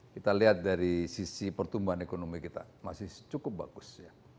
kita lihat dari sisi pertumbuhan ekonomi kita masih cukup bagus